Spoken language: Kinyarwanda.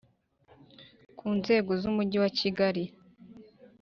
Ku nzego z umujyi wa kigali